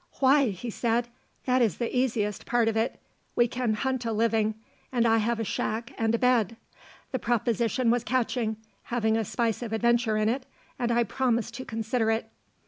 "Why," he said, "That is the easiest part of it. We can hunt a living, and I have a shack and a bed." The proposition was catching, having a spice of adventure in it, and I promised to consider it.